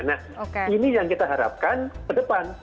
nah ini yang kita harapkan ke depan